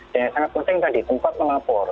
yang sangat penting tadi tempat melapor